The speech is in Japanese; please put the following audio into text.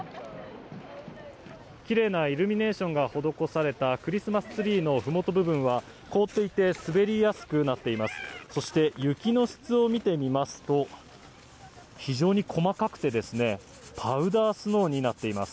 きれいなイルミネーションが施されたクリスマスツリーのふもと部分は凍っていて滑りやすくなっています。